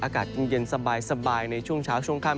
อากาศเย็นสบายในช่วงเช้าช่วงค่ำ